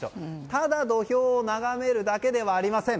ただ土俵を眺めるだけではありません。